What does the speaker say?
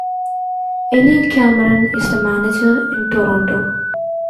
Ellie Cameron is the manager in Toronto.